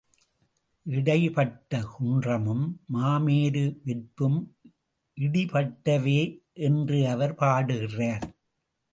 இடைபட்ட குன்றமும் மாமேரு வெற்பும் இடிபட்டவே என்று அவர் பாடுகிறார்.